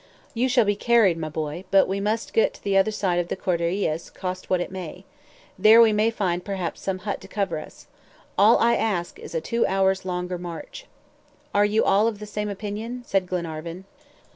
"You shall be carried, my boy; but we must get to the other side of the Cordilleras, cost what it may. There we may perhaps find some hut to cover us. All I ask is a two hours' longer march." "Are you all of the same opinion?" said Glenarvan.